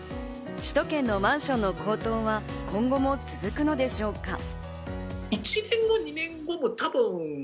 首都圏のマンションの高騰は今後も続くのでしょうか。